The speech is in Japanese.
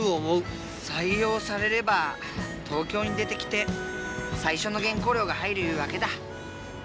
採用されれば東京に出てきて最初の原稿料が入るゆうわけだ。